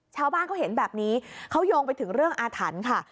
ชาวบ้านเขาเห็นแบบนี้เขาโยงไปถึงเรื่องอาถรรพ์ค่ะ